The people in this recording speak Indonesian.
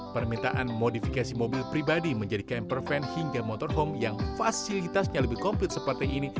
permintaan modifikasi mobil pribadi menjadi camper van hingga motorhome yang fasilitasnya lebih komplit seperti ini